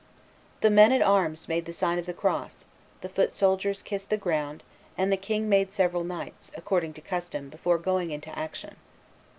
The men at arms made the sign of the cross; the foot soldiers kissed the ground; and the king made several knights, according to custom, before going into action.